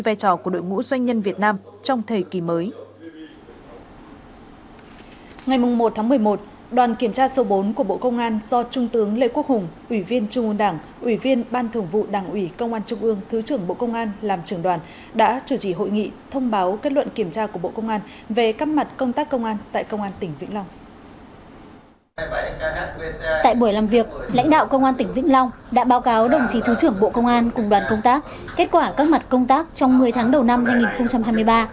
tại buổi làm việc lãnh đạo công an tỉnh vĩnh long đã báo cáo đồng chí thứ trưởng bộ công an cùng đoàn công tác kết quả các mặt công tác trong một mươi tháng đầu năm hai nghìn hai mươi ba